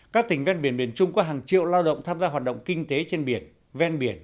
các tỉnh ven biển miền trung có hàng triệu lao động tham gia hoạt động kinh tế trên biển ven biển